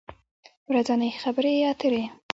ورځنۍ خبری اتری